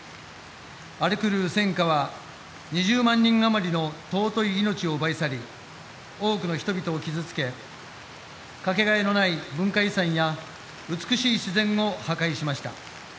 荒れ狂う戦火は２０万人余りの尊い命を奪い去り多くの人々を傷つけかけがえのない文化遺産や美しい自然を破壊しました。